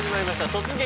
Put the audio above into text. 「突撃！